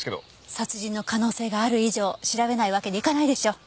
殺人の可能性がある以上調べないわけにいかないでしょ。